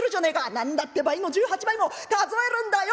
何だって倍の１８枚も数えるんだよ」。